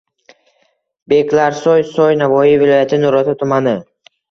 Beklarsoy - soy, Navoiy viloyati Nurota tumani.